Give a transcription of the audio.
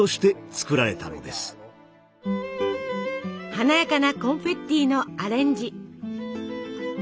華やかなコンフェッティのアレンジ。